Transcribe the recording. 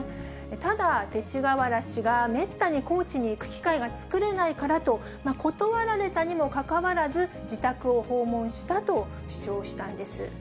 ただ、勅使河原氏がめったに高知に行く機会が作れないからと、断られたにもかかわらず、自宅を訪問したと主張したんです。